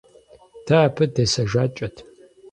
Дэ абы десэжакӀэт.